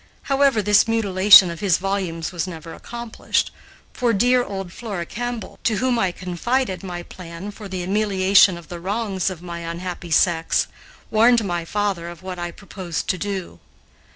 However, this mutilation of his volumes was never accomplished, for dear old Flora Campbell, to whom I confided my plan for the amelioration of the wrongs of my unhappy sex, warned my father of what I proposed to do.